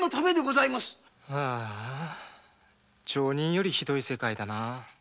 ああ町人よりひどい世界だな。